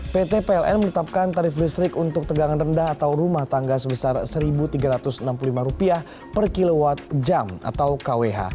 pt pln menetapkan tarif listrik untuk tegangan rendah atau rumah tangga sebesar rp satu tiga ratus enam puluh lima per kilowatt jam atau kwh